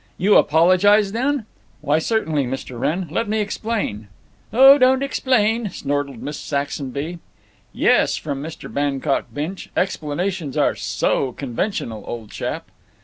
"You apologize, then?" "Why certainly, Mr. Wrenn. Let me explain—" "Oh, don't explain," snortled Miss Saxonby. "Yes!" from Mr. Bancock Binch, "explanations are so conventional, old chap."